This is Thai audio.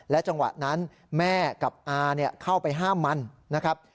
จังหวะนั้นแม่กับอาเข้าไปห้ามมันนะครับ